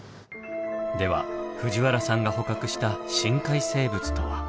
では藤原さんが捕獲した深海生物とは。